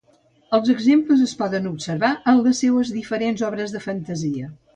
Els exemples es poden observar en les seues diferents obres de fantasia.